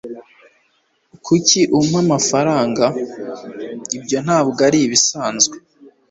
Kuki umpa amafaranga? Ibyo ntabwo ari ibisanzwe.